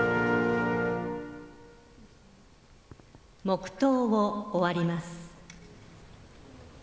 黙祷を終わります。